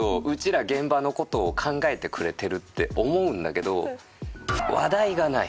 ら現場の事を考えてくれてるって思うんだけど話題がない。